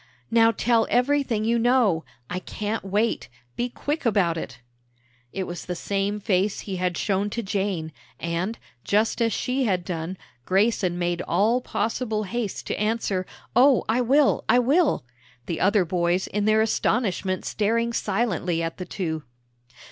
"Now tell everything you know! I can't wait! Be quick about it!" It was the same face he had shown to Jane, and, just as she had done, Grayson made all possible haste to answer, "Oh, I will, I will!" the other boys in their astonishment staring silently at the two.